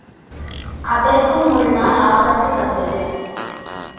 அதற்கும் ஒரு நாள் ஆபத்து வந்தது.